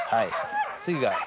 次が。